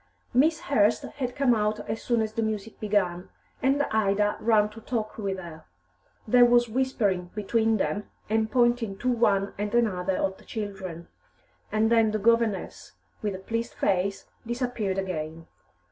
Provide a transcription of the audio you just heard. Miss Hurst had come out as soon as the music began, and Ida ran to talk with her. There was whispering between them, and pointing to one and another of the children, and then the governess, with a pleased face, disappeared again.